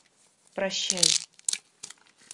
Прощай!